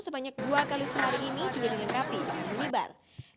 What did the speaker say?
sebanyak dua kali sehari ini juga dilengkapi dengan minibar